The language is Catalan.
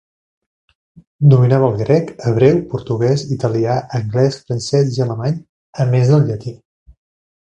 Dominava el grec, hebreu, portuguès, italià, anglès, francès i alemany a més del llatí.